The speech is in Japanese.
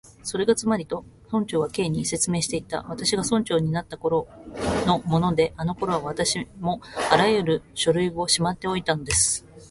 「それがつまり」と、村長は Ｋ に説明していった「私が村長になったころのもので、あのころは私もまだあらゆる書類をしまっておいたんです」